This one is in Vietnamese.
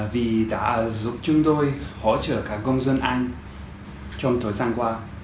vì đã giúp chúng tôi hỗ trợ các công dân anh trong thời gian qua